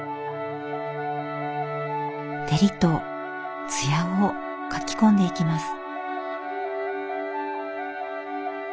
照りと艶を描き込んでいきます。